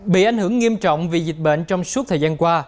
bị ảnh hưởng nghiêm trọng vì dịch bệnh trong suốt thời gian qua